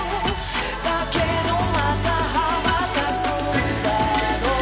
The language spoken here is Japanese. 「だけどまた羽ばたくだろう」